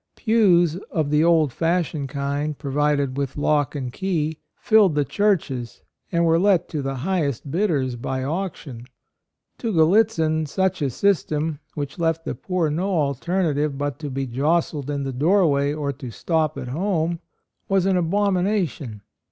Pews — of the old fashioned kind, provided with lock and key — filled the churches, and were let to the highest bidders by auction. To Gallitzin, such a system, which left the poor AND MOTHER. 79 no alternative but to be jostled in the doorway or to stop at home, was an abomination.